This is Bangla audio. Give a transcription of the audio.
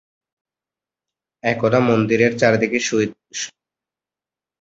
একদা মন্দিরের চারদিকে সুউচ্চ প্রাচীর ছিল।